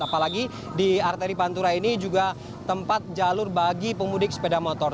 apalagi di arteri pantura ini juga tempat jalur bagi pemudik sepeda motor